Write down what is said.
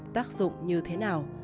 tác dụng như thế nào